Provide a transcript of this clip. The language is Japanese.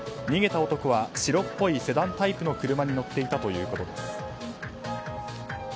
逃げた男は白っぽいセダンタイプの車に乗っていたということです。